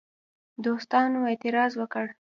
دوستانو اعتراض وکړ.